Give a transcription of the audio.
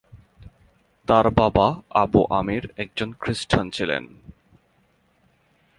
তার বাবা আবু আমির একজন খ্রিস্টান ছিলেন।